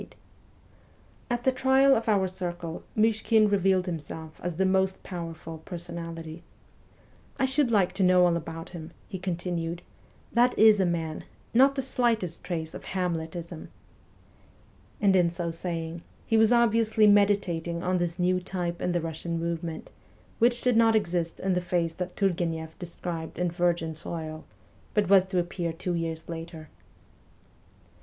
At the trial of our circle Myshkin revealed himself as the most powerful personality. ' I should like to know all about him/ he continued. ' That is a man ; not the slightest trace of Hamletism.' And in so saying he was obviously meditating on this new type in the Russian movement, which did not exist in the phase that Turgueneff described in ' Virgin Soil,' but was to appear two years later.